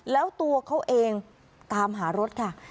แล้วตัวเขาเองตามหารถค่ะ